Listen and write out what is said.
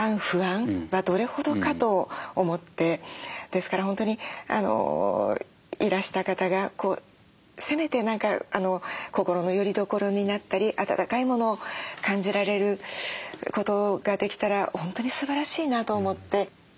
ですから本当にいらした方がせめて何か心のよりどころになったり温かいものを感じられることができたら本当にすばらしいなと思って。